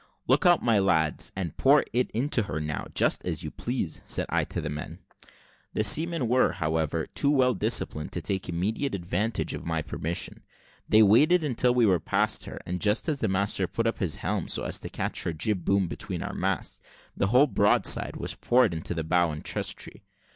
"Look out, my lads, and pour it into her now, just as you please," said I to the men. The seamen were, however, too well disciplined to take immediate advantage of my permission; they waited until we passed her, and just as the master put up his helm so as to catch her jib boom between our masts, the whole broadside was poured into his bow and chess tree.